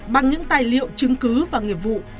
bằng những tài liệu chứng cứ và nghiệp vụ